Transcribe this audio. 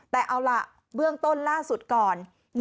แต่เอาล่ะเบื้องต้นล่าสุดก่อน